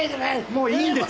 もういいんです！